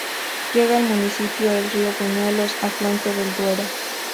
Riega el municipio el río Bañuelos, afluente del Duero.